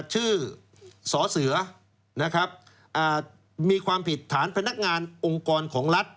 ชื่อสอเสือนะครับมีความผิดฐานพนักงานองค์กรของรัฐ